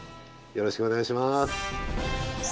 よろしくお願いします！